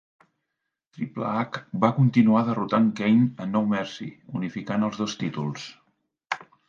Triple H va continuar derrotant Kane a No Mercy, unificant els dos títols.